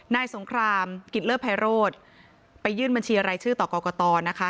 ในสงครามกิลเลอร์ไพโรดไปยื่นบัญชีอะไรชื่อต่อกตกตนะคะ